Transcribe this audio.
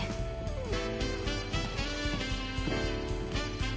うん。